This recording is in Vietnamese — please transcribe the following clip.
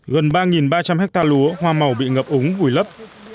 gần ba ba trăm linh hectare lúa hoa màu bị ngập úng vùi lấp